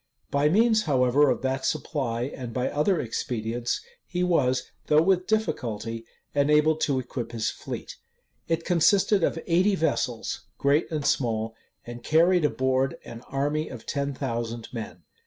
By means, however, of that supply, and by other expedients, he was, though with difficulty, enabled to equip his fleet. It consisted of eighty vessels, great and small; and carried an board an army of ten thousand men.